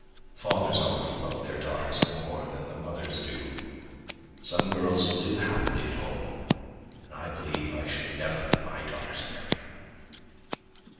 Fathers always love their daughters more than the mothers do. Some girls live happily at home! And I believe I should never let my daughters marry."